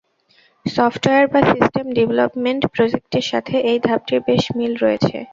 Software বা system development প্রজেক্টের সাথে এই ধাপটির বেশ মিল রয়েছে।